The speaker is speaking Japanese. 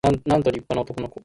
なんと立派な男の子